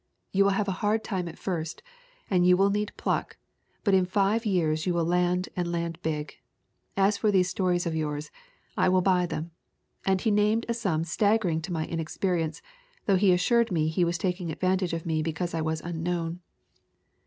You will have a hard time at first, and you will need pluck. But in five years you will land and land big. As for these stories of yours, I will buy them.' And he named a sum staggering to my inexperience, though he assured me he was taking advantage of me be cause I was unknown.